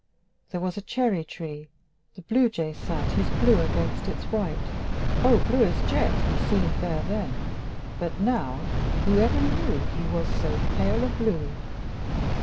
There was a cherry tree. The Bluejay sat His blue against its white O blue as jet He seemed there then! But now Whoever knew He was so pale a blue!